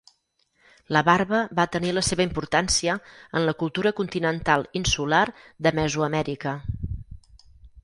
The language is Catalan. La barba va tenir la seva importància en la cultura continental insular de Mesoamèrica.